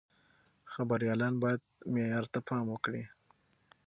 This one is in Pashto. خبريالان بايد معيار ته پام وکړي.